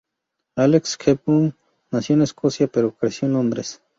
Alex Hepburn nació en Escocia, pero creció en Londres.